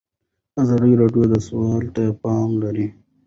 ازادي راډیو د سوله ته پام اړولی.